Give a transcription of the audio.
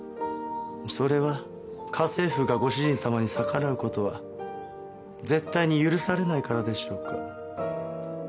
それは家政婦がご主人様に逆らう事は絶対に許されないからでしょうか？